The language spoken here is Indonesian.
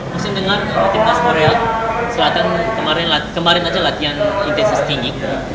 saya dengar timnas korea kemarin saja latihan intensif tinggi